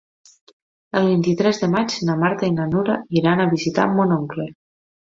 El vint-i-tres de maig na Marta i na Nura iran a visitar mon oncle.